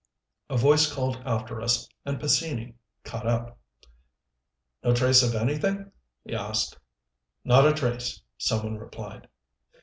A voice called after us, and Pescini caught up. "No trace of anything?" he asked. "Not a trace," some one replied.